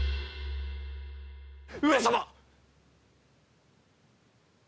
上様！